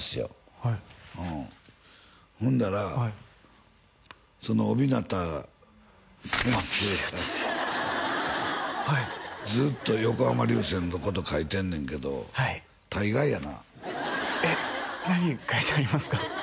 はいうんほんならはいその小日向先生が小日向先生ずっと横浜流星のこと書いてんねんけど大概やなえっ何が書いてありますか？